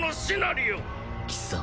貴様